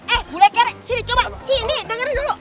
eh bu leker sini coba sini dengerin dulu